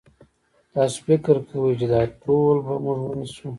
تاسو فکر کوئ چې دا ټول به موږ ونیسو؟